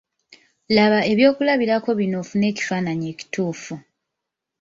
Laba ebyokulabirako bino ofune ekifaananyi ekituufu.